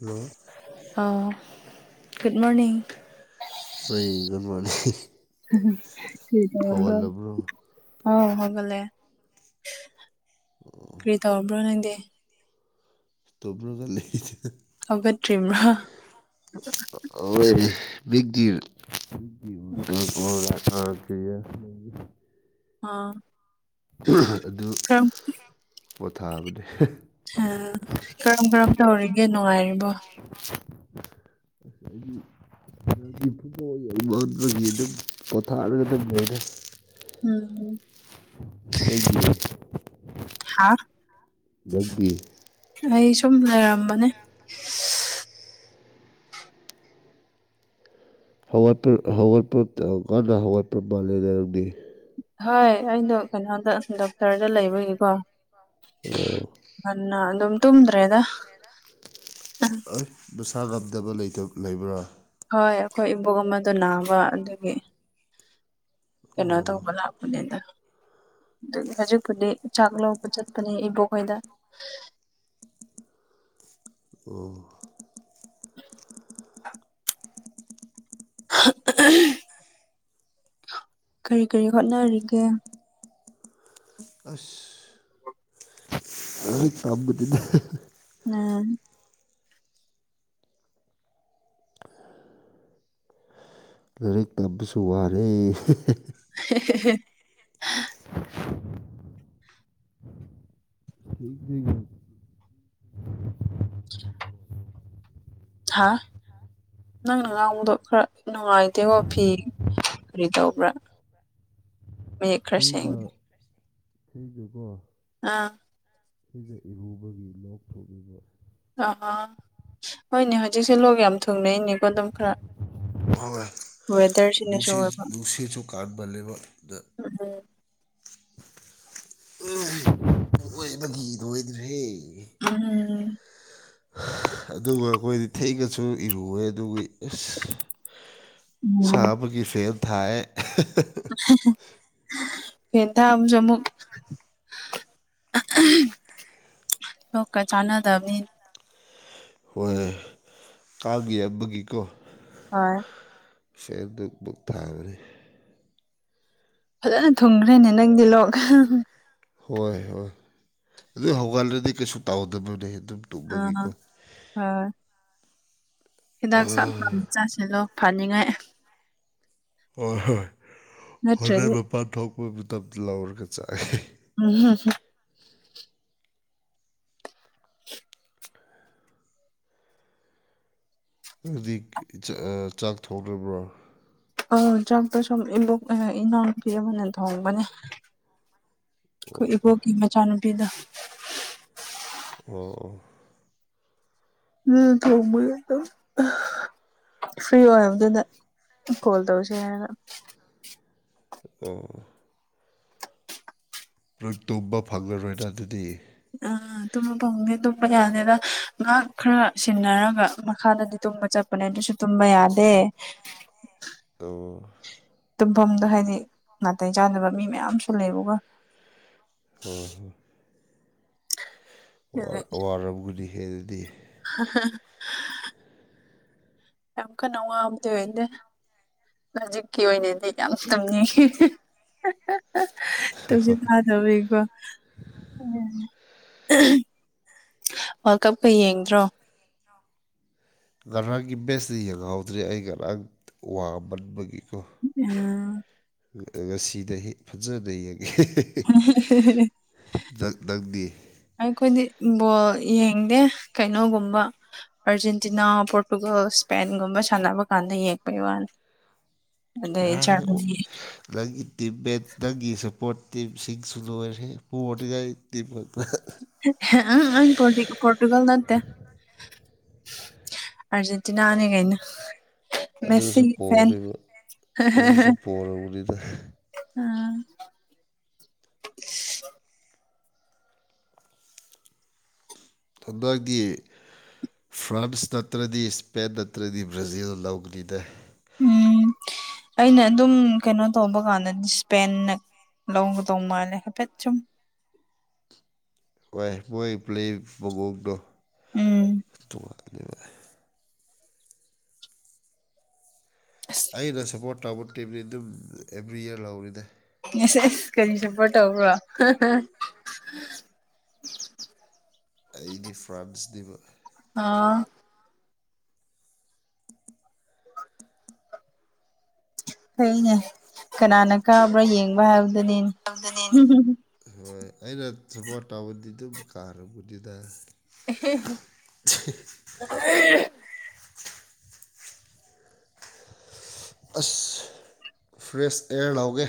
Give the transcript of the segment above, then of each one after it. Hello ꯑꯎ good morning ꯆꯩ ꯒꯤ ꯒꯨꯠꯃꯣꯢꯅꯤꯡ ꯀꯔꯤ ꯇꯧꯔꯝꯕꯔꯣ ꯍꯥꯎ ꯍꯧꯒꯠꯂꯦ [unintelligible] ꯀꯔꯤ ꯇꯧꯕ꯭ꯔꯣ ꯅꯪꯗꯤ ꯇꯕ꯭ꯔꯣꯒ ꯂꯩꯗ [unintelligible] ꯍꯧꯒꯠꯇ꯭ꯔꯤ꯭ꯕꯔꯣ [unintelligible] ꯑ ꯀ [unintelligible] [inaudible] ꯍꯥꯥ [unintelligible] ꯍꯥ ꯑꯗꯨ ꯄꯣꯊꯥꯕꯅꯦ ꯍꯥ ꯀꯔꯝ ꯀꯔꯝ ꯇꯧꯔꯤꯒꯦ ꯅꯨꯡꯉꯥꯏꯔꯤꯕꯣ [unintelligible] ꯃꯒꯤ ꯑꯗꯨꯝ ꯄꯣꯊꯥꯔꯒ ꯑꯗꯨꯝ ꯂꯩꯔꯦ [unintelligible] ꯎꯝ ꯑꯗꯨ [unintelligible] ꯍꯥꯥ ꯒꯤ [unintelligible] ꯑꯩ ꯁꯨꯝ ꯂꯩꯔꯝꯕꯅꯦ ꯍꯧꯒꯠꯄ ꯍꯧꯒꯠꯄ ꯑꯥ ꯉꯟꯅ ꯍꯧꯒꯠꯄ ꯃꯥꯜꯂꯦꯗ ꯅꯥꯪꯗꯤ ꯍꯣꯏ ꯑꯩꯗꯣ ꯀꯩꯅꯣꯗ ꯗꯣꯛꯇꯔꯗ ꯂꯩꯕꯒꯤꯀꯣ ꯑꯣ ꯉꯟꯅ ꯑꯗꯨꯝ ꯇꯨꯝꯗ꯭ꯔꯦꯗ ꯍ ꯅꯁꯥ ꯉꯝꯗꯕ ꯂꯩꯇ ꯂꯩꯕ꯭ꯔꯥ ꯍꯣꯏ ꯑꯩꯈꯣꯏ ꯏꯕꯣꯛ ꯑꯃꯗ ꯅꯥꯕ ꯑꯗꯨꯒꯤ ꯑꯣ ꯀꯩꯅꯣ ꯇꯧꯕ ꯂꯥꯛꯄꯅꯤꯅ ꯑꯗꯨ ꯍꯧꯖꯤꯛꯄꯨꯗꯤ ꯆꯥꯛ ꯂꯧꯕ ꯆꯠꯄꯅꯦ ꯏꯕꯣꯛ ꯑꯣꯏꯈꯣꯏꯗ ꯑꯣ [unintelligible] ꯀꯔꯤ ꯀꯔꯤ ꯍꯣꯠꯅꯔꯤꯒꯦ ꯑꯁ ꯑ ꯇꯝꯕꯗꯤꯅ ꯎꯝ ꯂꯔꯤꯛ ꯄꯕꯁꯨ ꯋꯥꯔꯦ [unintelligible] [unintelligible] ꯍꯥ ꯅꯪꯅ ꯉꯥꯡꯕꯗꯣ ꯈꯔ ꯅꯨꯡꯉꯥꯏꯇꯦꯀꯣ ꯐꯤ ꯀꯔꯤ ꯇꯧꯕ꯭ꯔꯥ ꯃꯌꯦꯛ ꯈꯔ ꯃꯤꯒꯥ ꯁꯦꯡꯗꯦ ꯑꯩꯒꯥ ꯀꯣ ꯑꯥ ꯁꯤꯗ ꯏꯔꯨꯕꯒꯤ ꯂꯣꯛꯊꯣꯛꯂꯤꯕ ꯑꯥ ꯍꯣꯏꯅꯦ ꯍꯧꯖꯤꯛꯁꯦ ꯂꯣꯛ ꯌꯥꯝ ꯊꯨꯡꯅꯩꯅꯦꯀꯣ ꯑꯗꯨꯝ ꯈꯔ [unintelligible] ꯋꯦꯗꯔꯁꯤꯅꯁꯨ ꯅꯨꯡꯁꯤ ꯑꯣꯏꯕ ꯅꯨꯡꯁꯤꯠꯁꯨ ꯀꯟꯃꯜꯂꯦꯕ ꯗ ꯎꯝ ꯎꯝ ꯂꯣꯏꯕꯒꯤ ꯂꯣꯏꯗ꯭ꯔꯦ [inaudible] [unintelligible] ꯎꯝ ꯑꯗꯨꯒ ꯑꯩꯈꯣꯏꯗꯤ ꯊꯦꯛꯅꯁꯨ ꯏꯔꯨꯋꯦ ꯑꯗꯨꯒꯤ ꯑꯁ ꯎꯝ ꯁꯥꯕꯒꯤ ꯐꯦꯠ ꯊꯑ ꯐꯦ ꯊ ꯑꯃꯁꯨꯃꯨꯛ ꯂꯣꯛꯀ ꯆꯥꯟꯅꯗꯕꯅꯤ ꯍꯣꯏ ꯀꯥꯒꯤꯕꯒꯤꯀꯣ [unintelligible] ꯁꯦ ꯕꯨꯛ ꯕꯨꯛ ꯊꯥꯕꯅꯤ ꯐꯖꯅ ꯊꯨꯡꯈ꯭ꯔꯦꯅꯦ ꯅꯪꯗꯤ ꯂꯣ ꯍꯣꯏ ꯍꯣꯏ ꯑꯗꯨ ꯍꯧꯒꯜꯂꯗꯤ ꯀꯩꯁꯨ ꯇꯥꯎꯗꯕꯅꯦ ꯑꯗꯨꯝ ꯑꯥ ꯇꯨꯝꯕꯒꯤꯀꯣ ꯍꯥꯥ ꯍꯤꯗꯥꯛ ꯆꯞꯄ ꯃꯆꯥꯁꯤꯗꯣ ꯐꯅꯤꯡꯉꯥꯏ ꯍꯣꯏ ꯍꯣꯏ ꯍꯣꯔꯦꯟ ꯅꯠꯇ꯭ꯔꯗꯤ ꯃꯄꯥꯟ ꯊꯣꯛꯄ ꯃꯇꯝꯇꯗꯨ ꯂꯧꯔꯒ ꯆꯥꯏ ꯎ ꯍ ꯍ ꯑꯗꯨꯗꯤ ꯆꯥꯛ ꯊꯣꯡꯇ꯭ꯔꯕ꯭ꯔꯣ ꯑ ꯆꯝꯗ ꯁ ꯏ ꯏꯅꯥꯎ ꯄꯤꯔꯕꯅꯤ ꯊꯣꯡꯕꯅꯦ ꯑꯣ ꯀꯣꯏꯕꯣꯒ ꯃꯆꯥ ꯅꯨꯨꯄꯤꯗꯣ ꯑꯣ ꯑꯣ ꯎꯝ ꯊꯃꯗ ꯐ꯭ꯔꯤ ꯑꯣꯏꯔꯕꯗꯨꯅ ꯀꯣꯜ ꯇꯧꯁꯦ ꯍꯥꯏꯅ ꯑꯣ ꯂꯣꯏ ꯇꯨꯝꯕ ꯐꯪꯂꯔꯣꯏꯅ ꯑꯗꯨꯗꯤ ꯑ ꯇꯨꯝꯕ ꯐꯪꯗꯦ ꯇꯨꯝꯄ ꯌꯥꯗꯦꯗ ꯉꯍꯥꯛ ꯈꯔ ꯁꯤꯟꯅꯔꯒ ꯃꯈꯥꯗꯗꯤ ꯇꯨꯝꯕ ꯆꯠꯄꯅꯦ ꯑꯗꯨꯁꯨ ꯇꯨꯝꯕ ꯌꯥꯗꯦ ꯇꯣ ꯇꯨꯝꯐꯝꯗꯣ ꯍꯥꯏꯗꯤ ꯅꯥꯇꯩ ꯆꯥꯗꯕ ꯃꯤ ꯃꯌꯥꯝꯁꯨ ꯂꯩꯕꯒ ꯍꯣꯏ ꯍꯣꯏ꯫ ꯋꯥꯔ ꯋꯥꯔꯧꯕꯗꯤ ꯍꯦꯂꯗꯤ ꯍꯥꯍꯥ ꯌꯥꯝ ꯀꯟꯅ ꯋꯥꯕꯗꯤ ꯑꯣꯢꯗꯦ꯫ ꯍꯧꯖꯤꯛꯀꯤ ꯑꯣꯏꯅꯗꯤ ꯌꯥꯝ ꯇꯨꯝꯅꯤꯡꯉꯤ ꯍꯥ ꯍꯥ ꯇꯨꯝꯁꯤꯠ ꯐꯗꯕꯩꯏꯀꯣ꯫ ꯎ ꯋꯥꯔꯜ ꯀꯞꯀ ꯌꯦꯡꯗ꯭ꯔꯣ꯫ ꯉꯔꯥꯡꯒꯤ ꯃꯕꯦꯠꯁꯇ ꯌꯦꯡꯍꯧꯗ꯭ꯔꯦ ꯑꯩ ꯉꯔꯥꯡ ꯋꯥꯃꯟꯕꯒꯤꯀꯣ꯫ [unintelligible] ꯉꯁꯤꯗꯩ ꯍꯤ ꯐꯖꯅ ꯌꯦꯡ ꯍꯦꯍꯦ ꯅꯪ ꯅꯪꯗꯤ꯫ ꯑꯩꯈꯣꯏꯗꯤ ꯕꯣꯜ ꯌꯦꯡꯗꯦ ꯀꯩꯅꯣꯒꯨꯝꯕ꯫ ꯑꯥꯔꯖꯦꯟꯇꯤꯅꯥ ꯄꯣꯔꯇꯨꯒꯜ ꯏꯁꯄꯦꯟꯒꯨꯝꯕ ꯁꯥꯟꯅꯕ ꯀꯥꯟꯗ ꯌꯦꯛꯄꯩ ꯋꯥꯅꯤ ꯑꯗꯩ ꯑꯗꯤ ꯖꯔꯃꯅꯤ ꯅꯪꯒꯤ ꯇꯤꯝꯕ ꯅꯪꯒꯤ ꯁꯄꯣꯔꯠ ꯇꯤꯝꯁꯤꯡꯁꯨ ꯂꯣꯏꯔꯦ ꯄꯣꯔꯉꯥꯏ ꯇꯤꯝ ꯄꯣꯔꯇꯨꯒꯜ ꯅꯠꯇꯦ ꯑꯔꯖꯦꯟꯇꯤꯅꯥ ꯀꯩꯅꯣ ꯑꯗꯨꯁꯨ ꯃꯦꯁꯤꯒꯤ ꯐꯦꯟ ꯄꯣꯔꯦꯕ ꯑꯗꯨꯁꯨ ꯄꯣꯔꯕꯅꯤꯅ ꯎꯝ ꯍꯟꯗꯛꯇꯗꯤ ꯐ꯭ꯔꯥꯟꯁ ꯅꯠꯇ꯭ꯔꯗꯤ ꯏꯁꯄꯦꯟ ꯅꯠꯇ꯭ꯔꯗꯤ ꯕ꯭ꯔꯥꯖꯤꯜ ꯂꯧꯒꯅꯤꯅꯦ ꯎꯝ ꯑꯩꯅ ꯑꯗꯨꯝ ꯀꯩꯅꯣ ꯇꯧꯕ ꯀꯥꯟꯗ ꯏꯁꯄꯦꯟꯅ ꯂꯣꯡ ꯇꯣꯡꯃ ꯂꯩꯒꯦ ꯄ ꯆꯨꯝ ꯏ ꯃꯣꯏ ꯄꯨꯂ ꯃꯑꯣꯡꯗꯣ ꯎꯝ ꯅꯨꯡꯉꯅꯤ ꯏ ꯑꯁ ꯑꯩꯅ ꯁꯄꯣꯔꯠ ꯇꯧꯕ ꯇꯤꯝꯅꯤ ꯑꯗꯨꯝ ꯑꯦꯕ꯭ꯔꯤ ꯏꯌꯥꯔ ꯂꯧꯔꯤꯅꯦ ꯁ ꯀꯔꯤ ꯁꯄꯣꯔꯠ ꯇꯧꯕ꯭ꯔꯣ ꯑꯩꯗꯤ ꯐ꯭ꯔꯥꯟꯁꯅꯦꯕ꯫ ꯑꯥ꯫ ꯐꯩꯅꯦ ꯀꯅꯥꯅ ꯀꯥꯕ꯭ꯔꯥ ꯌꯦꯡꯕ ꯍꯥꯏꯕꯗꯨꯅꯦꯅꯦ꯫ [unintelligible] ꯑꯩꯅ ꯀꯥꯔꯕꯨꯗꯤꯗ [inaudible] ꯑꯁ ꯐ꯭ꯔꯦꯁ ꯑꯦꯌꯥꯔ ꯂꯥꯎꯒꯦ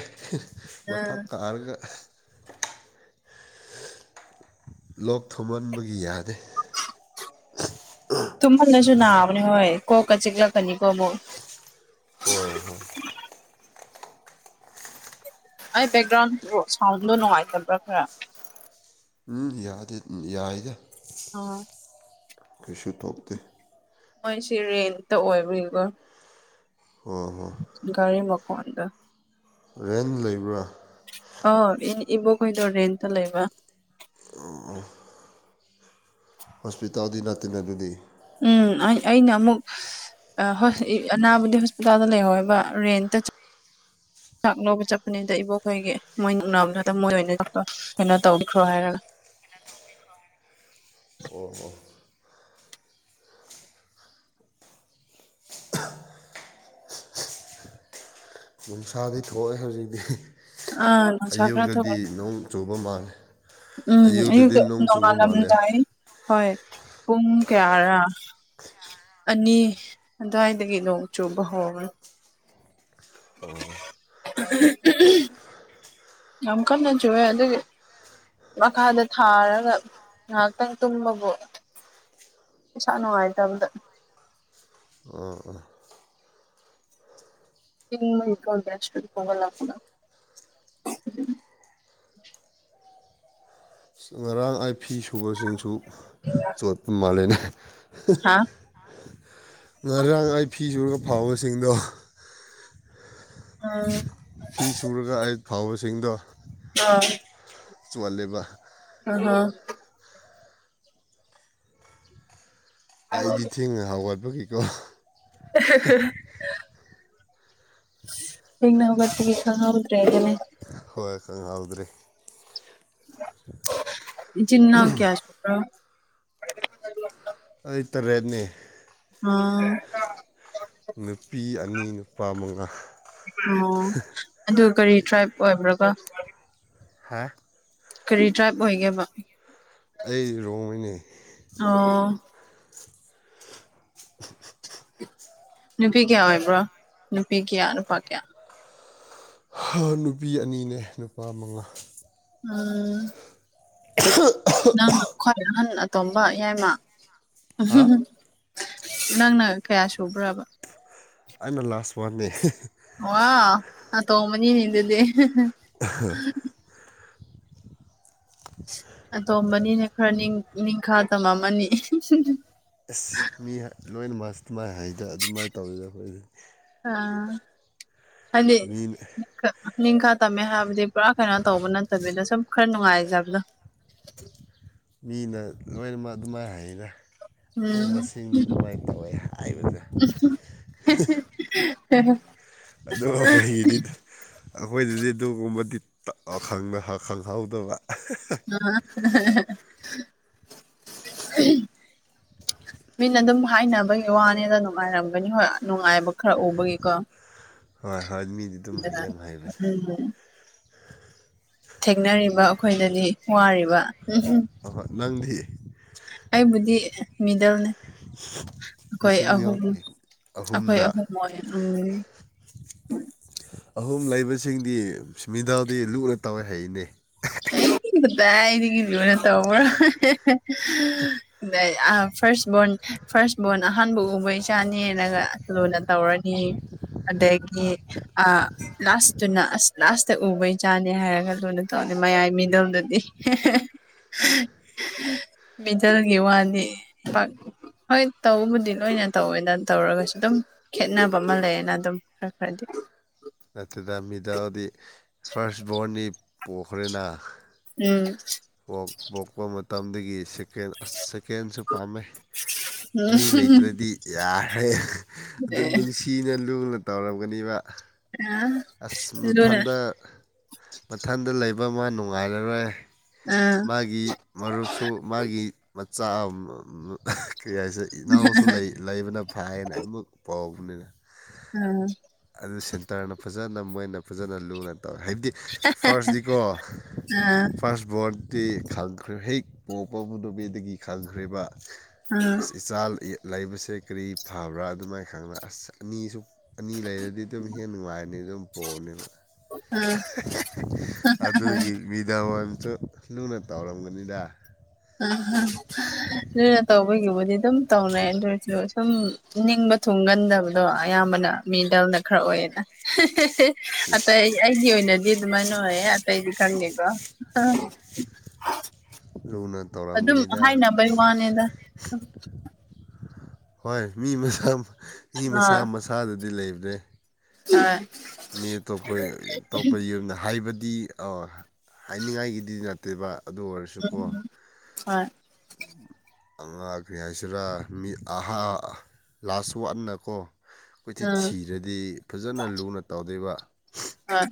ꯑ ꯃꯊꯛ ꯀꯥꯔꯒ꯫ ꯂꯣꯛ ꯊꯨꯝꯃꯟꯕꯒꯤ ꯌꯥꯗꯦ꯫ ꯑꯝ꯫ ꯇꯨꯍꯜꯅꯁꯨ ꯅꯕꯥꯅꯤ ꯍꯣꯏ ꯀꯣꯛꯀ ꯆꯤꯛꯂꯛꯀꯅꯤꯀꯣ ꯑꯃꯨꯛ ꯍꯣꯏ ꯍꯣꯏ꯫ ꯑꯩ ꯕꯦꯛꯒ꯭ꯔꯥꯎꯟꯗꯣ ꯁꯥꯎꯟꯗꯣ ꯅꯨꯡꯉꯥꯏꯇꯕ꯭ꯔꯥ ꯈꯔ ꯌꯥꯗꯤ ꯑꯗꯨꯝ ꯌꯥꯏꯗ ꯑꯣ ꯀꯩꯁꯨ ꯇꯧꯗꯦ ꯃꯣꯏꯁꯤ ꯔꯦꯟꯇ ꯑꯣꯏꯕꯒꯤꯀꯣ ꯍꯣ ꯍꯣ ꯒꯥꯔꯤ ꯃꯈꯣꯟꯗ ꯔꯦꯟꯠ ꯂꯩꯕ꯭ꯔꯥ ꯑꯥꯎ ꯏꯟ ꯏꯕꯣꯛ ꯈꯣꯢꯗꯣ ꯔꯦꯟꯠ ꯇ ꯂꯩꯕ ꯍꯣꯁꯄꯤꯇꯥꯜꯗꯤ ꯅꯠꯇꯦ ꯅ ꯑꯗꯨꯗꯤ ꯎꯝ ꯑꯩ ꯑꯩꯅ ꯑꯃꯨꯛ [unintelligible] ꯑ ꯍꯣꯢ ꯑꯅꯥꯕꯨꯗꯤ ꯍꯣꯁꯄꯤꯇꯥꯜꯗ ꯂꯩꯍꯧꯋꯦꯕ ꯔꯦꯟꯇ ꯆꯠ__ ꯆꯥꯛ ꯂꯧꯕ ꯆꯠꯄꯅꯤꯗ ꯏꯕꯣꯛꯈꯣꯏꯒꯤ ꯃꯣꯏ ꯅꯛꯅꯕꯗꯨꯗ ꯃꯣꯏ ꯑꯣꯏꯅ ꯆꯠꯄ__ ꯀꯩꯅꯣ ꯇꯧꯕꯤꯈ꯭ꯔꯣ ꯍꯥꯏꯔꯒ ꯑꯣ ꯑꯣ ꯅꯨꯡꯁꯥꯗꯤ ꯊꯣꯛꯑꯦ ꯍꯧꯖꯤꯛꯇꯤ ꯑꯥ ꯅꯨꯡꯁꯥ ꯈꯔ ꯑꯌꯨꯛꯗꯗꯤ ꯊꯣꯛꯑꯦ ꯅꯣꯡ ꯆꯨꯕ ꯃꯥꯜꯂꯦ ꯎꯝ ꯑꯌꯨꯛꯇꯗꯤ ꯑꯌꯨꯛꯇ ꯅꯣꯡ ꯆꯨꯕ ꯃꯥꯜꯂꯦ ꯅꯣꯡꯉꯥꯜꯂꯝꯗꯥꯏ ꯍꯣꯏ ꯄꯨꯡ ꯀꯌꯥꯔꯥ ꯑꯅꯤ ꯑꯗ꯭ꯋꯥꯏꯗꯒꯤ ꯅꯣꯡ ꯆꯨꯕ ꯍꯧꯔꯕꯅꯦ ꯍꯧꯔꯕ [unintelligible] ꯌꯥꯝ ꯀꯟꯅ ꯆꯨꯌꯦ ꯑꯗꯨꯒꯤ ꯃꯈꯥꯗ ꯊꯥꯔꯒ ꯉꯥꯏꯍꯛꯇꯪ ꯇꯨꯝꯕꯕꯨ ꯏꯁꯥ ꯅꯨꯡꯉꯥꯏꯇꯕꯗ ꯑꯥ ꯑꯥ ꯏꯤꯟꯕꯒꯤꯀꯣ ꯕꯦꯆꯇꯩ ꯍꯧꯒꯠꯂꯛꯄꯗ ꯉꯔꯥꯡ ꯑꯥꯏ ꯐꯤ ꯁꯨꯕꯁꯤꯡꯁꯨ ꯆꯣꯠꯄ ꯃꯥꯂꯦꯅꯦ ꯍꯥꯥ ꯉꯔꯥꯡ ꯑꯩ ꯐꯤ ꯁꯨꯔꯒ ꯐꯥꯎꯕꯁꯤꯡꯗꯣ ꯑꯥ ꯐꯤ ꯁꯨꯔꯒ ꯑꯩ ꯐꯥꯎꯕꯁꯤꯡꯗꯣ [unintelligible] ꯆꯣꯠꯂꯦꯕ ꯑ ꯍ ꯑꯩꯗꯤ ꯊꯦꯡꯅ ꯍꯧꯒꯠꯄꯒꯤꯀꯣ [unintelligible] ꯊꯦꯡꯅ ꯍꯧꯒꯠꯄꯒꯤ ꯈꯪꯍꯧꯗ꯭ꯔꯦꯗꯨꯅꯦ ꯍꯣꯏ ꯈꯪꯍꯥꯎꯗ꯭ꯔꯤ ꯏꯆꯤꯟ ꯏꯅꯥꯎ ꯀꯌꯥ ꯁꯨꯕ꯭ꯔꯣ ꯑꯩ ꯇꯔꯦꯠꯅꯦ ꯑꯣ ꯅꯨꯄꯤ ꯑꯅꯤ ꯅꯨꯄꯥ ꯃꯉꯥ ꯑꯣ ꯑꯗꯨꯒ ꯀꯔꯤ ꯇ꯭ꯔꯥꯏꯞ ꯑꯣꯏꯕ꯭ꯔꯥ ꯀꯣ ꯍꯥ ꯀꯔꯤ ꯇ꯭ꯔꯥꯏꯞ ꯑꯣꯏꯒꯦꯕ ꯑꯩ ꯔꯣꯡꯃꯩꯅꯦ ꯑꯣ ꯅꯨꯄꯤ ꯀꯌꯥ ꯑꯣꯏꯕ꯭ꯔꯣ ꯅꯨꯄꯤ ꯀꯌꯥ ꯅꯨꯄꯥ ꯀꯌꯥ ꯍꯥ ꯅꯨꯄꯤ ꯑꯅꯤꯅꯦ ꯅꯨꯄꯥ ꯃꯉꯥ ꯎꯝ ꯅꯪꯅ [unintelligible] ꯈ꯭ꯋꯥꯏ ꯑꯍꯟ ꯑꯇꯣꯝꯕ ꯌꯥꯏꯃ ꯍꯥ [unintelligible] ꯅꯪꯅ ꯀꯌꯥ ꯁꯨꯕ꯭ꯔꯕ ꯑꯩꯅ ꯂꯥꯁ ꯋꯥꯟꯅꯦ꯫ ꯃꯥ ꯑꯇꯣꯃꯅꯤꯅꯗꯗꯤ꯫ ꯑꯍ ꯑꯇꯣꯝꯕꯅꯤꯅ ꯈꯔ ꯅꯤꯡꯈꯥ ꯇꯝꯃꯝꯃꯅꯤ꯫ ꯑꯁ ꯃꯤ ꯂꯣꯏꯅ ꯃꯁ ꯑꯗꯨꯃꯥꯏꯅ ꯍꯩꯗ ꯑꯗꯨꯃꯥꯏꯅ ꯇꯧꯋꯤꯗ ꯑꯩꯈꯣꯏ ꯑꯥ ꯃꯤꯅ ꯅꯤꯡꯈꯥ ꯇꯝꯃꯦ ꯍꯥꯏꯕꯗꯤ ꯄꯨꯔꯥ ꯀꯩꯅꯣ ꯇꯧꯕ ꯅꯠꯇꯕꯤꯗ ꯁꯨꯝ ꯈꯔ ꯅꯨꯡꯉꯥꯏꯖꯕꯗꯣ ꯃꯤꯅ ꯂꯣꯏꯅꯃꯛ ꯑꯗꯨꯃꯥꯏ ꯍꯥꯏꯔ ꯎꯝ ꯇꯣꯝꯕꯁꯤꯡꯗꯤ ꯑꯗꯨꯃꯥꯏꯅ ꯇꯧꯋꯦ ꯍꯥꯏꯕꯗꯦ꯫ ꯍꯦꯍꯦ ꯑꯗꯣ ꯑꯩꯈꯣꯏꯗꯤ꯫ ꯑꯩꯈꯣꯏꯗꯗꯤ ꯑꯗꯨꯒꯨꯝꯕꯗꯤ ꯈꯪꯍꯧꯗꯕ [unintelligible] ꯃꯤꯅ ꯑꯗꯨꯝ ꯍꯥꯏꯅꯕꯒꯤ ꯋꯥꯅꯤꯗ ꯅꯨꯡꯉꯥꯏꯔꯝꯒꯅꯤ ꯍꯣꯏ ꯅꯨꯡꯉꯥꯏꯕ ꯈꯔ ꯎꯕꯒꯤꯀꯣ ꯍꯣꯏ ꯍꯣꯏ ꯃꯤꯗꯤ ꯑꯗꯨꯝ ꯍꯌꯦꯡ ꯍꯥꯏꯅꯦ꯫ ꯎꯝ ꯊꯦꯡꯅꯔꯤꯕ ꯑꯩꯈꯣꯏꯗꯗꯤ ꯋꯥꯔꯤꯕ ꯎꯝꯍꯨꯝ ꯍꯣꯏ ꯍꯣꯏ ꯅꯪꯗꯤ ꯑꯩꯕꯨꯗꯤ ꯃꯤꯗꯜꯅꯦ꯫ ꯑꯩꯈꯣꯏ ꯃꯦꯆꯤꯟ ꯑꯍꯨꯝ ꯑꯩꯈꯣꯏ ꯑꯍꯨꯝꯗ ꯑꯍꯨꯝ ꯑꯣꯏ ꯎꯝ ꯑꯍꯨꯝ ꯂꯩꯕꯁꯤꯡꯗꯤ ꯃꯤꯗꯜꯗꯤ ꯂꯨꯅ ꯇꯧꯋꯦ ꯍꯥꯏꯅꯦ꯫ ꯑꯩ ꯀꯗꯥꯏꯗꯒꯤ ꯂꯨꯅ ꯇꯧꯕ꯭ꯔꯥ ꯑꯗ ꯌꯥꯝ ꯐꯥꯔꯁ ꯕꯣꯔꯟ ꯐꯥꯔꯁ ꯕꯣꯔꯟ ꯑꯍꯥꯟꯕ ꯎꯕ ꯏꯆꯥꯅꯦꯅꯒ ꯂꯨꯅ ꯇꯧꯔꯅꯤ ꯑꯗꯒꯤ ꯑ ꯂꯥꯁꯇꯨꯅ ꯑꯁ ꯂꯥꯁꯇ ꯎꯕ ꯢꯆꯥꯅꯦ ꯍꯥꯏꯔꯒ ꯂꯨꯅ ꯇꯧ ꯃꯌꯥꯏ ꯃꯤꯗꯣꯝꯗꯗꯤ ꯃꯤꯗꯜꯒꯤ ꯋꯥꯗꯤ ꯄꯥꯛ ꯍꯣꯏ ꯇꯧꯕꯗꯤ ꯂꯣꯏꯅ ꯇꯧꯋꯦꯅ ꯇꯧꯔꯒꯁꯨ ꯑꯗꯨꯝ ꯈꯦꯠꯅꯕ ꯑꯃ ꯂꯩꯌꯦꯅ ꯑꯗꯨꯝ ꯈꯔ ꯈꯔꯗꯤ ꯅꯠꯇꯗ ꯃꯤꯗꯥꯗꯤ ꯐꯥꯔꯁ ꯕꯣꯔꯅꯤ ꯄꯣꯛꯈ꯭ꯔꯦꯅ ꯎꯝ ꯄꯣꯛꯄ ꯃꯇꯝꯗꯒꯤ ꯁꯦꯀꯦꯟ ꯑꯁ ꯁꯦꯀꯦꯟꯁꯨ ꯄꯥꯝꯃꯦ꯫ ꯎꯝ ꯑꯅꯤ ꯂꯩꯇ꯭ꯔꯗꯤ ꯌꯥꯔꯦ ꯑꯗꯨꯝ ꯅꯨꯡꯁꯤ꯫ ꯀꯤꯅ ꯂꯨꯅ ꯇꯧꯔꯝꯒꯅꯤꯕ ꯑꯥ ꯑꯁ ꯃꯊꯟꯗ ꯃꯊꯟꯗ ꯂꯩꯕ ꯑꯃ ꯅꯨꯡꯉꯥꯏꯔꯔꯣꯏ ꯑꯥ ꯃꯥꯒꯤ ꯃꯔꯨꯞꯁꯨ ꯃꯥꯒꯤ ꯃꯆꯥ ꯀꯔꯤ ꯍꯥꯏꯁꯦ ꯏꯅꯥꯎꯁꯨ ꯂꯩꯕꯅ ꯐꯥꯏꯅ ꯑꯩꯃꯛ ꯄꯥꯎꯕꯅꯤꯅ꯫ ꯎꯝ ꯑꯗꯨ ꯁꯦꯟꯇꯔꯅ ꯐꯖꯅ ꯃꯣꯏꯅ ꯐꯖꯅ ꯂꯨꯅ ꯇꯧꯋꯤ ꯍꯥꯏꯕꯗꯤ ꯐꯥꯔꯁꯗꯤꯀꯣ ꯑꯥ ꯐꯥꯔꯁ ꯕꯣꯔꯠ ꯇꯤ ꯈꯪꯈ꯭ꯔ ꯍꯦꯛ ꯄꯣꯛꯄ ꯅꯨꯃꯤꯗꯒꯤ ꯈꯪꯈ꯭ꯔꯤꯕ ꯑꯥ ꯑꯁ ꯏꯆꯥ ꯂꯩꯕꯁꯦ ꯀꯔꯤ ꯐꯕ꯭ꯔꯥ ꯑꯗꯨꯃꯥꯏ ꯈꯪꯅ ꯑꯁ ꯑꯅꯤꯁꯨ ꯑꯅꯤ ꯂꯩꯔꯗꯤ ꯑꯗꯨꯝ ꯍꯦꯟ ꯅꯨꯡꯉꯥꯏꯕꯅꯤ ꯑꯗꯨꯝ ꯄꯣꯛꯑꯕꯅꯦꯕ꯫ ꯑꯥ ꯑꯗꯨꯒꯤ ꯃꯤꯗꯜꯋꯥꯏꯔꯝꯁꯨ ꯂꯨꯅ ꯇꯧꯔꯝꯒꯅꯤꯗ ꯑꯍ ꯂꯨꯅ ꯇꯧꯕꯒꯤꯕꯨꯗꯤ ꯑꯗꯨꯝ ꯇꯧꯅꯩ ꯑꯗꯨ ꯑꯣꯏꯔꯁꯨ ꯁꯨꯝ ꯅꯤꯡꯕ ꯊꯨꯡꯒꯟꯗꯕ ꯑꯗꯣ ꯑꯌꯥꯝꯕꯅ ꯃꯤꯗꯜꯅ ꯈꯔ ꯑꯣꯏꯌꯦꯗ ꯑꯇꯩ ꯑꯩꯒꯤ ꯑꯣꯏꯅꯗꯤ ꯑꯗꯨꯃꯥꯏꯅ ꯑꯣꯏꯌꯦ ꯑꯇꯩꯗꯤ ꯈꯪꯗꯦꯀꯣ ꯂꯨꯅ ꯑꯗꯨꯝ ꯇꯧꯔꯝꯒꯅꯤꯗ ꯍꯥꯏꯅꯕꯩ ꯋꯥꯅꯤꯗ ꯍꯣꯏ ꯃꯤ ꯃꯁꯝ ꯃꯤ ꯃꯁꯥ ꯑꯥ ꯃꯁꯥꯗꯗꯤ ꯂꯩꯕꯅꯦ [unintelligible] ꯃꯤ ꯑꯇꯣꯞꯄꯩ ꯑꯇꯣꯞꯄ ꯌꯨꯝꯗ ꯍꯥꯏꯕꯗꯤ ꯑꯣ ꯍꯥꯏꯅꯤꯡꯉꯥꯏꯒꯤꯗꯤ ꯅꯠꯇꯦꯕ ꯑꯗꯨ ꯑꯣꯏꯔꯁꯨꯀꯣ ꯍꯣꯏ ꯑꯉꯥ ꯀꯔꯤ ꯍꯥꯏꯁꯤꯔꯥ ꯃꯤ ꯑꯍꯥ ꯂꯥꯁ ꯋꯥꯠꯅꯀꯣ ꯀꯣꯏꯊꯤ ꯎꯝ ꯊꯤꯔꯗꯤ ꯐꯖꯅ ꯂꯨꯅ ꯇꯧꯗꯨꯏꯕ ꯑ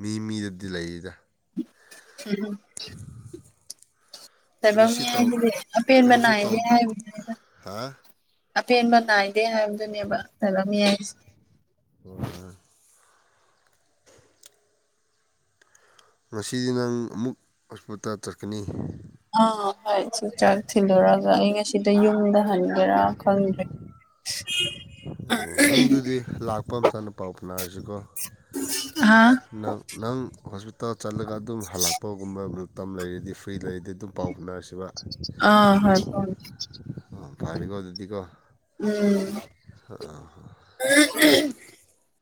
ꯃꯤ ꯃꯤꯗꯗꯤ ꯂꯩꯏꯗ [unintelligible] [inaudible] ꯇꯥꯏꯕꯪ ꯃꯤ ꯇꯧ ꯍꯥꯏꯁꯤꯗꯤ ꯀꯔꯤꯁꯨ ꯑꯄꯦꯟꯕꯅꯥꯏꯗꯦ ꯇꯧꯗꯦ ꯍꯥꯏꯕꯒꯨꯝꯕꯅꯤꯗ ꯍꯥ ꯑꯄꯦꯟꯕ ꯅꯥꯏꯗꯦ ꯍꯥꯏꯕꯗꯨꯅꯦꯕ ꯇꯥꯏꯕꯪ ꯃꯤ ꯍꯥꯏꯁꯦ ꯑꯣ ꯍ [inaudible] ꯉꯁꯤꯗꯤ ꯅꯪ ꯑꯃꯨꯛ ꯍꯣꯁꯄꯤꯇꯥꯜ ꯆꯠꯀꯅꯤ ꯑꯥ ꯍꯣꯏ ꯆ ꯆꯥꯛ ꯊꯤꯜꯂꯨꯔꯒ ꯑꯩ ꯉꯁꯤꯗ ꯌꯨꯝꯗ ꯍꯟꯒꯦꯔꯥ ꯈꯪꯗ꯭ꯔꯦ ꯎ ꯎ ꯅꯪꯗꯨꯗꯤ ꯂꯥꯛꯄ ꯑꯝꯇꯅ ꯄꯥꯎ ꯐꯅꯔꯁꯤꯀꯣ ꯍꯥ ꯅꯪ ꯅꯪ ꯍꯣꯁꯄꯤꯇꯥꯜ ꯆꯠꯂꯒ ꯑꯗꯨꯝ ꯍꯜꯂꯛꯄ ꯨꯝꯕ ꯇꯝ ꯂꯩꯔꯗꯤ ꯐ꯭ꯔꯤ ꯂꯩꯔꯗꯤ ꯑꯗꯨꯝ ꯄꯥꯎ ꯍꯣꯠꯅꯔꯁꯤꯕ ꯑ ꯍꯣꯏ ꯐ ꯐꯔꯦ ꯀꯧꯕ ꯑꯗꯨꯗꯤꯀꯣ ꯎꯝ